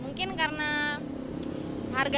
mungkin karena harganya